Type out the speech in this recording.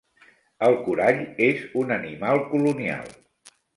El corall és un animal colonial.